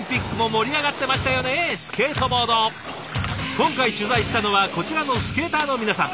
今回取材したのはこちらのスケーターの皆さん。